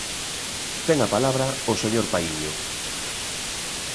Ten a palabra o señor Paíño.